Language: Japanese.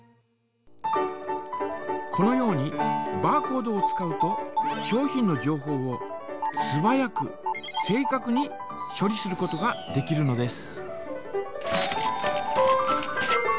このようにバーコードを使うと商品の情報をすばやく正かくにしょ理することができるのです。